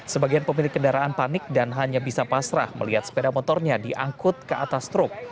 sebagian pemilik kendaraan panik dan hanya bisa pasrah melihat sepeda motornya diangkut ke atas truk